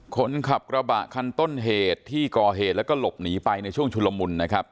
คนขับกระบะคันต้นเหตุที่ก่อเหตุแล้วก็หลบหนีไปในช่วงชุลมุนนะครับ